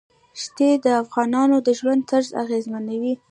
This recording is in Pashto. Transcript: ښتې د افغانانو د ژوند طرز اغېزمنوي.